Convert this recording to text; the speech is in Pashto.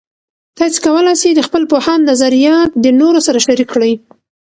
تاسې کولای سئ د خپل پوهاند نظریات د نورو سره شریک کړئ.